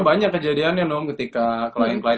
banyak kejadiannya nom ketika klien klien